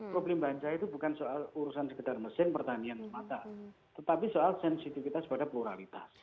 problem banca itu bukan soal urusan sekedar mesin pertanian semata tetapi soal sensitivitas pada pluralitas